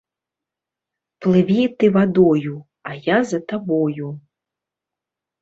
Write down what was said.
Плыві ты вадою, а я за табою.